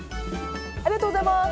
ありがとうございます。